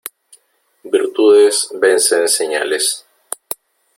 Virtudes vencen señales.